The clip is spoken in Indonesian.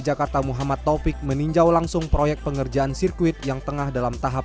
jakarta muhammad taufik meninjau langsung proyek pengerjaan sirkuit yang tengah dalam tahap